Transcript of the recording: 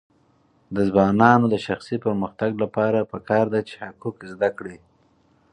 د ځوانانو د شخصي پرمختګ لپاره پکار ده چې حقوق زده کړي.